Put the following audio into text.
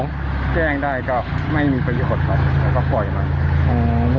เบิร์ตลมเสียโอ้โห